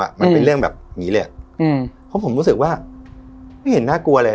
มันเป็นเรื่องแบบนี้เลยอืมเพราะผมรู้สึกว่าไม่เห็นน่ากลัวเลย